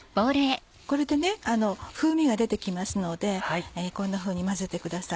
これで風味が出て来ますのでこんなふうに混ぜてください。